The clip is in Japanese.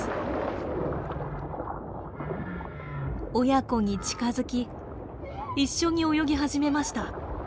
親子に近づき一緒に泳ぎ始めました。